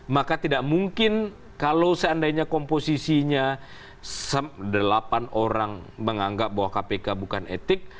maka tidak mungkin kalau seandainya komposisinya delapan orang menganggap bahwa kpk bukan etik